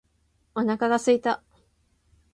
お腹が空いた。